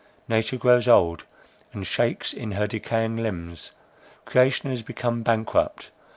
Nature grows old, and shakes in her decaying limbs,—creation has become bankrupt!